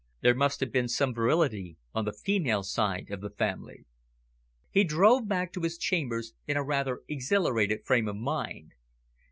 There must have been some virility on the female side of the family. He drove back to his chambers in a rather exhilarated frame of mind.